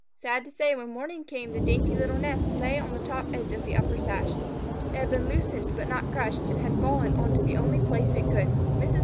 Sad to say, when morning came the dainty little nest lay on the top edge of the upper sash. It had been loosened but not crushed, and had fallen on to the only place it could. Mrs.